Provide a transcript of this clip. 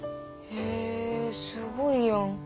へえすごいやん。